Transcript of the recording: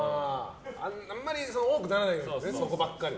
あんまり多くならないようにねそこばっかり。